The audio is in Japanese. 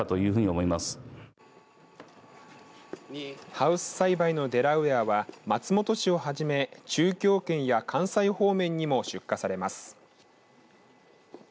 ハウス栽培のデラウエアは松本市をはじめ中京圏や関西方面にも出荷されます。